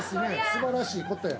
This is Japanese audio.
素晴らしいことや。